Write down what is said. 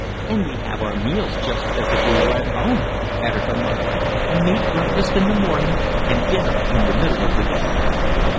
"And we have our meals just as if we were at home," added her mother. "A meat breakfast in the morning and dinner in the middle of the day."